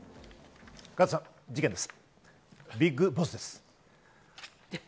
加藤さん事件です。